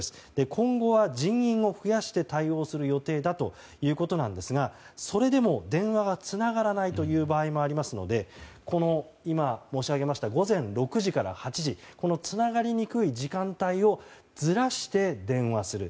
今後は人員を増やして対応する予定だということなんですがそれでも電話がつながらないという場合もありますので今、申し上げました午前６時から８時このつながりにくい時間帯をずらして電話する。